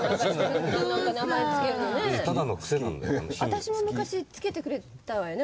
私も昔付けてくれたわよね。